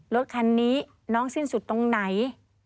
รถคันนี้น้องสิ้นสุดตรงไหน